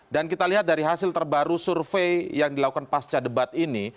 dan kita lihat dari hasil terbaru survei yang dilakukan pasca debat ini